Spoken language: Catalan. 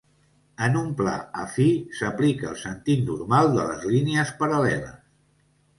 En un pla afí, s'aplica el sentit normal de les línies paral·leles.